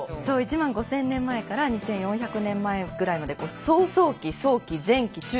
そう１万５，０００年前から２，４００年前ぐらいまで草創期早期前期